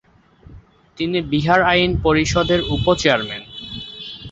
তিনি বিহার আইন পরিষদের উপ-চেয়ারম্যান।